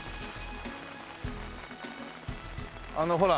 あのほら。